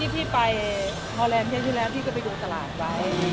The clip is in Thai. พี่ไปฮอแลนด์เทสที่แล้วพี่ก็ไปดูตลาดไว้